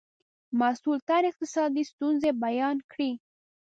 مسئول تن اقتصادي ستونزې بیان کړې.